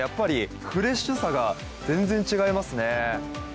フレッシュさが全然違いますね。